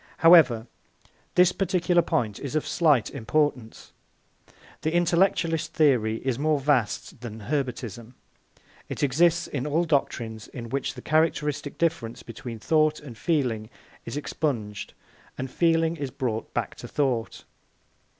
However, this particular point is of slight Importance. The intellectualist theory is more vast than Herbartism; it exists in all doctrines in which the characteristic difference between thought and feeling is expunged and feeling is brought back to thought.